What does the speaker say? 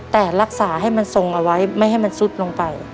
แต่รักษาให้มันทรงเอาไว้ไม่ให้มันซุดลงไป